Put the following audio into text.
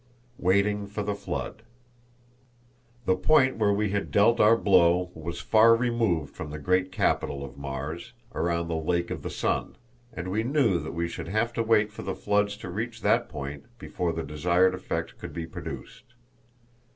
Waiting for the Flood. The point where we had dealt our blow was far removed from the great capital of Mars, around the Lake of the Sun, and we knew that we should have to wait for the floods to reach that point before the desired effect could be produced.